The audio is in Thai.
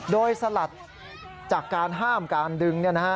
โดยสลัดจากการห้ามการดึง